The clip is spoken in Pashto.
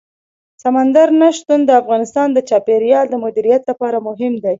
سمندر نه شتون د افغانستان د چاپیریال د مدیریت لپاره مهم دي.